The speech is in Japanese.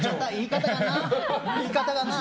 言い方だな。